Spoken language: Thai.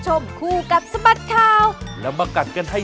สวัสดีค่ะ